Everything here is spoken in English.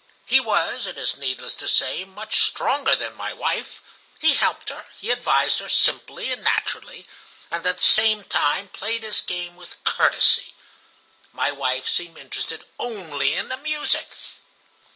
He was, it is needless to say, much stronger than my wife. He helped her, he advised her simply and naturally, and at the same time played his game with courtesy. My wife seemed interested only in the music.